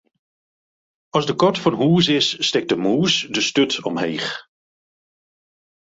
As de kat fan hús is, stekt de mûs de sturt omheech.